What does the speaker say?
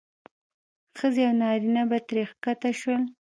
ښځې او نارینه به ترې ښکته شول.